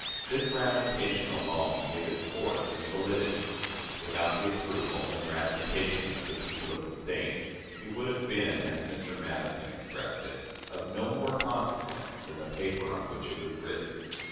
This ratification alone gave it force and validity. Without the approval and ratification of the people of the States, it would have been, as Mr. Madison expressed it, "of no more consequence than the paper on which it was written."